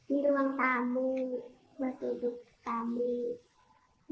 ini ruang tamu buat duduk tamu